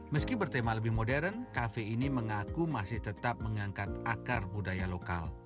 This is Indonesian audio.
meski bertema lebih modern kafe ini mengaku masih tetap mengangkat akar budaya lokal